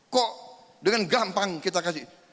kok dengan gampang kita kasih